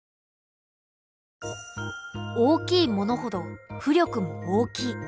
大きいものほど浮力も大きい。